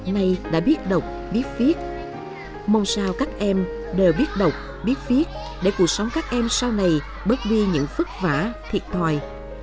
nay đã biết đọc biết viết mong sao các em đều biết đọc biết viết để cuộc sống các em sau này bớt đi những vất vả thiệt thòi